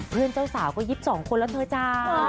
เพื่อนเจ้าสาวก็๒๒คนแล้วเธอจ้า